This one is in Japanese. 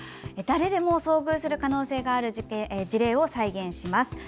誰でも遭遇する可能性がある事例を再現します。